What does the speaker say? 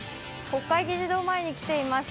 国会議事堂前に来ています。